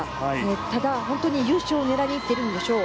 ただ、本当に優勝を狙いに行ってるんでしょう。